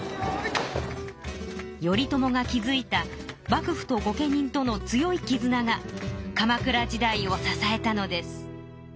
頼朝が築いた幕府と御家人との強いきずなが鎌倉時代を支えたのです。